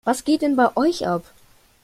Was geht denn bei euch ab?